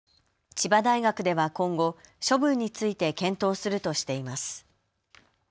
千葉大学では今後、処分について検討するとしています。